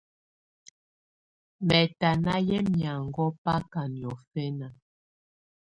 Mɛ̀tana yɛ̀ miaŋgɔ̀á bakà niɔ̀fɛ̀na.